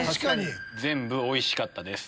全部おいしかったです。